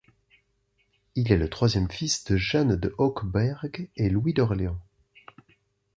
Il est le troisième fils de Jeanne de Hochberg et Louis d'Orléans.